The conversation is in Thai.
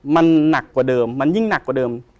มันหนักกว่าเดิมมันยิ่งหนักกว่าเดิม